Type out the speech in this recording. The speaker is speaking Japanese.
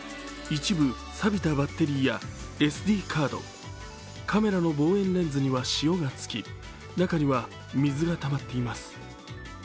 一部さびたバッテリーやＳＤカード、カメラの望遠レンズには塩がつき、中には水がたまっています。